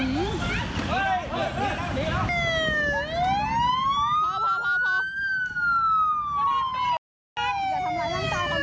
อย่าทำลายร่างตาค่ะนะ